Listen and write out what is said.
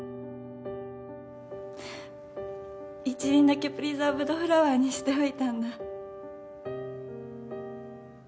一輪だけプリザーブドフラワーにしておいたんだ。